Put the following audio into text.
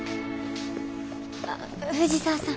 あ藤沢さん。